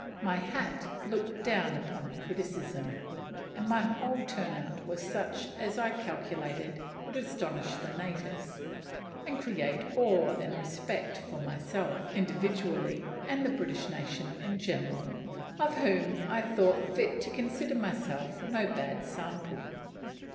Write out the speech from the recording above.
My hat looked down criticism, and my whole turn out was such as I calculated would "astonish the natives," and create awe and respect for myself individually and the British nation in general; of whom I thought fit to consider myself no bad sample.